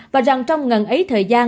và rằng trong ngần ấy thời gian